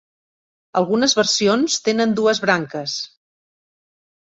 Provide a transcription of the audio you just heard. Algunes versions tenen dues branques.